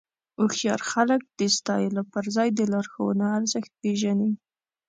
هوښیار خلک د ستایلو پر ځای د لارښوونو ارزښت پېژني.